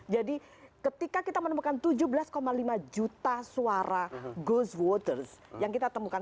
jadi ketika kita menemukan tujuh belas lima juta suara ghostwaters yang kita temukan